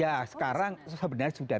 ya sekarang sebenarnya sudah